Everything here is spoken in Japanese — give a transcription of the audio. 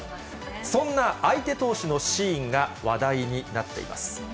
そんな相手投手のシーンが話題になっています。